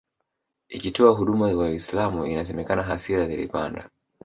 ikitoa huduma kwa Uislam inasemekana hasira zilipanda